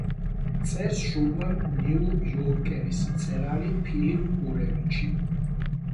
წერს ჟურნალ ნიუ-იორკერის მწერალი ფილიპ გურევიჩი.